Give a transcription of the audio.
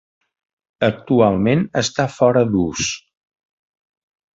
Actualment està fora d'ús.